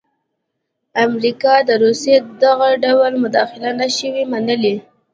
امریکا د روسیې دغه ډول مداخله نه شوای منلای.